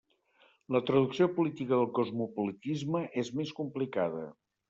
La traducció política del cosmopolitisme és més complicada.